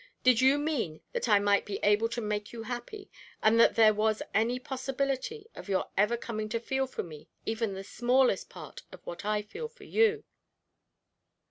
Did you mean that I might be able to make you happy, and that there was any possibility of your ever coming to feel for me even the smallest part of what I feel for you?"